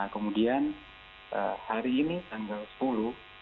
kemudian hari ini tanggal sepuluh